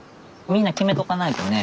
みんな決めとかないとね